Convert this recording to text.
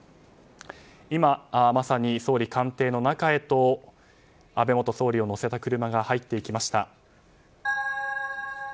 今、まさに総理官邸の中へと安倍元総理を乗せた車が入っていきました。